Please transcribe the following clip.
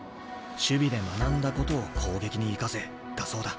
守備で学んだことを攻撃に生かせ」だそうだ。